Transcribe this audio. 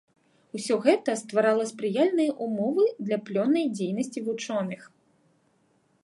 Усё гэта стварала спрыяльныя ўмовы для плённай дзейнасці вучоных.